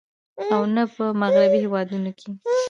او نۀ په مغربي هېوادونو کښې